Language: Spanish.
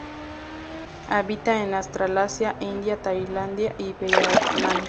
Habita en Australasia, India, Tailandia y Vietnam.